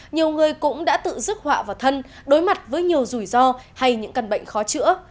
nhiều người cũng đã tự dứt họa vào thân đối mặt với nhiều rủi ro hay những căn bệnh khó chữa